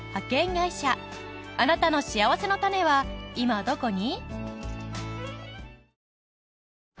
あなたのしあわせのたねは今どこに？